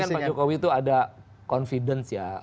selama ini pak jokowi ada confidence ya